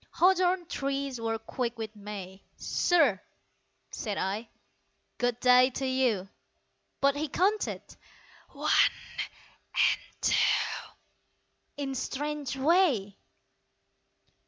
Hawthorn trees were quick with May "Sir," said I, "Good day to you"! But he counted. "One and two" In strange way.